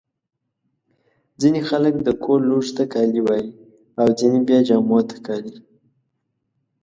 ځيني خلک د کور لوښو ته کالي وايي. او ځيني بیا جامو ته کالي.